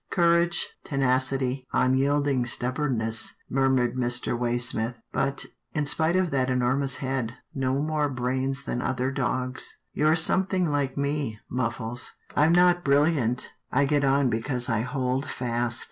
" Courage, tenacity, unyielding stubbornness," murmured Mr. Waysmith, " but, in spite of that enormous head, no more brains than other dogs. You're something like me, Muffles. I am not bril liant. I get on because I hold fast."